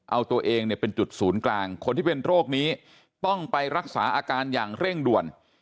เอาตัวเองเนี่ยเป็นจุดศูนย์กลางคนที่เป็นโรคนี้ต้องไปรักษาอาการอย่างเร่งด่วน